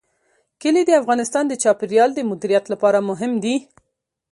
کلي د افغانستان د چاپیریال د مدیریت لپاره مهم دي.